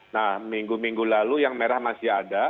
nah minggu minggu lalu yang merah masih ada